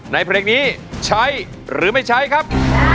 เพลงนี้ใช้หรือไม่ใช้ครับ